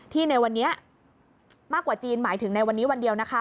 ในวันนี้มากกว่าจีนหมายถึงในวันนี้วันเดียวนะคะ